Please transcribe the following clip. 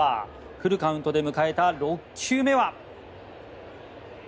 フルカウントで迎えた６球目は。